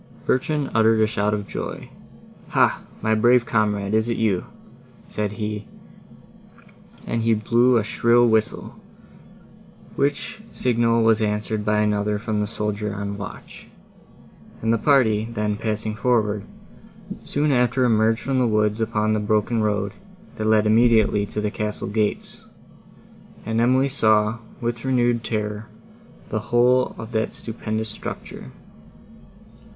Bertrand uttered a shout of joy. "Hah! my brave comrade, is it you?" said he, and he blew a shrill whistle, which signal was answered by another from the soldier on watch; and the party, then passing forward, soon after emerged from the woods upon the broken road, that led immediately to the castle gates, and Emily saw, with renewed terror, the whole of that stupendous structure.